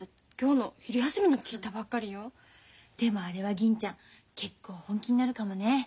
でもあれは銀ちゃん結構本気になるかもね。